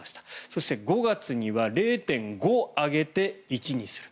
そして５月には０．５上げて１にする。